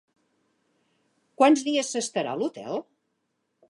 Quants dies s'estarà a l'hotel?